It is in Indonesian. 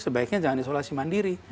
sebaiknya jangan isolasi mandiri